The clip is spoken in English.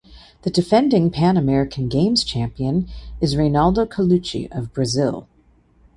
The defending Pan American Games champion is Reinaldo Colucci of Brazil.